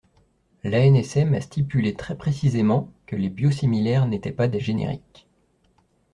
L’ANSM a stipulé très précisément que les biosimilaires n’étaient pas des génériques.